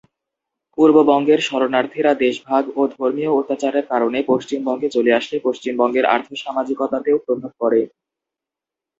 পূর্ববঙ্গের শরণার্থীরা দেশভাগ ও ধর্মীয় অত্যাচারের কারণে পশ্চিমবঙ্গে চলে আসলে পশ্চিমবঙ্গের আর্থ-সামাজিকতাতেও প্রভাব পরে।